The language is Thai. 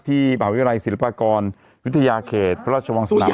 ที่บหาวิทยาลัยศิลปกรณ์วิทยาเขตพระราชวงศ์สนามใจ